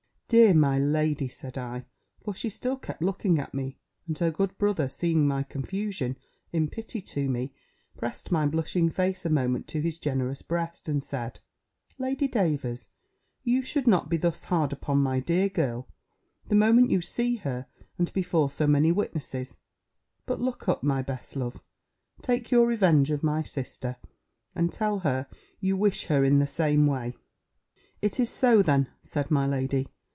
"Dear my lady!" said I: for she still kept looking at me: and her good brother, seeing my confusion, in pity to me, pressed my blushing face a moment to his generous breast, and said, "Lady Davers, you should not be thus hard upon my dear girl, the moment you see her, and before so many witnesses: but look up, my best love, take your revenge of my sister, and tell her, you wish her in the same way." "It is so then?" said my lady.